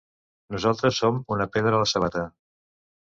Nosaltres som una pedra a la sabata.